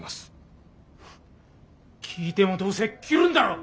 聞いてもどうせ切るんだろ。